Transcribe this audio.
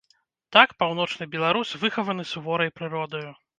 Так, паўночны беларус выхаваны суворай прыродаю.